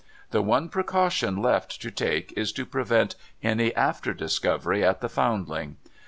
The one precaution left to take is to prevent any after discovery at the Foundling.